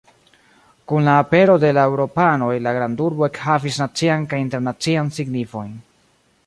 Kun la apero de la eŭropanoj la grandurbo ekhavis nacian kaj internacian signifojn.